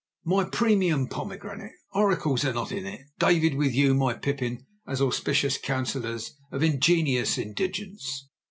MY PREMIUM POMEGRANATE,—Oracles are not in it, David, with you, my pippin, as auspicious counsellors of ingenious indigence.